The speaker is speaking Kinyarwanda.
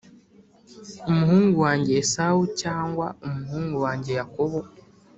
umuhungu wanjye Esawu cyangwa umuhungu wanjye yakobo